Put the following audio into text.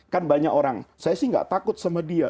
kan banyak orang saya sih nggak takut sama dia